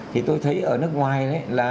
thì tôi thấy ở nước ngoài